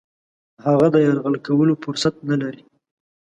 هغه د یرغل کولو فرصت نه لري.